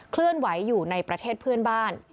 เคลื่อนไหวอยู่ในประเทศเพื่อนบ้าน